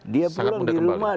dia pulang di rumah